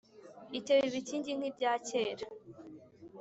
ikeba ibikingi nk’ibya kera